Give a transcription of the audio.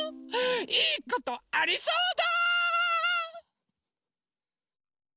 いいことありそうだ！